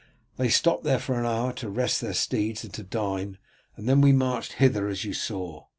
They stopped there for an hour to rest their steeds and to dine, and then we marched hither as you saw.